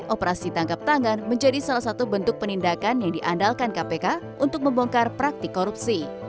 operasi tangkap tangan menjadi salah satu bentuk penindakan yang diandalkan kpk untuk membongkar praktik korupsi